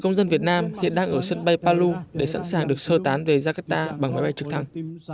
công dân việt nam hiện đang ở sân bay palu để sẵn sàng được sơ tán về jakarta bằng máy bay trực thăng